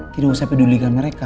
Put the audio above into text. tidak usah pedulikan mereka